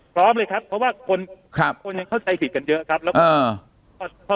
พร้อมเลยครับเพราะว่าคนยังเข้าใจผิดกันเยอะครับแล้วก็